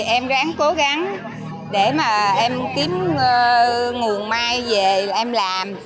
em ráng cố gắng để mà em kiếm nguồn mai về em làm